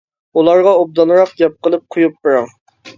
ئۇلارغا ئوبدانراق گەپ قىلىپ قۇيۇپ بىرىڭ.